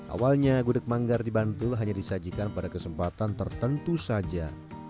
awalnya gudeg manggar di bantul hanya disajikan pada kesempatan tertentu saja